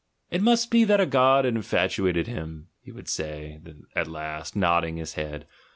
"It must be that a god had infatuated him," he would say at last, nodding his head.